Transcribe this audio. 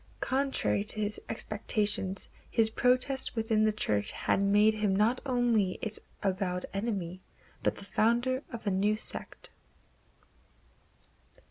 Contrary to his expectations, his protest within the Church had made him not only its avowed enemy, but the founder of a new sect.